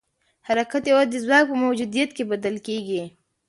حرکت یوازې د ځواک په موجودیت کې بدل کېږي.